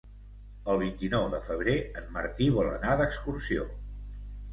El vint-i-nou de febrer en Martí vol anar d'excursió.